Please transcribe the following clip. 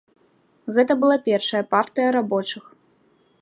Гэта была першая партыя рабочых.